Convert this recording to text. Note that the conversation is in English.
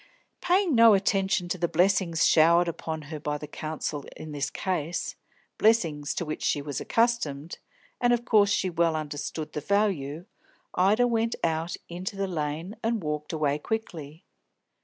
Paying no attention to the blessings showered upon her by the counsel in this case, blessings to which she was accustomed, and of which she well understood the value, Ida went out into the Lane, and walked away quickly.